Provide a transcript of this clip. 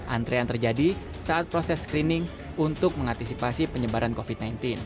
antrean terjadi saat proses screening untuk mengantisipasi penyebaran covid sembilan belas